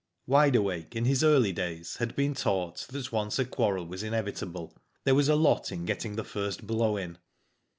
Wide Awake in his early days had been taught that once a quarrel was inevitable, tliere was a lot in getting the first blow in.